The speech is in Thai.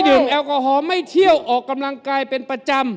แอลกอฮอล์ไม่เที่ยวออกกำลังกายเป็นประจำ